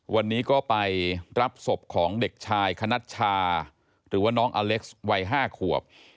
วันนี้ก็ไปรับศพของเด็กชายคณัชชาหรือว่าน้องอเล็กซ์วัย๕ขวบ